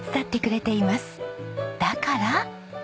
だから。